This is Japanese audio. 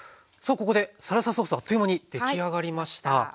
ここでサルサソースあっという間に出来上がりました。